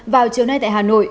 vào chiều nay tại hà nội